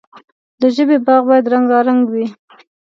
د ژبې باغ باید رنګارنګ وي.